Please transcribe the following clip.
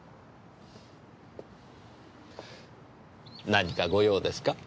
何かご用ですか？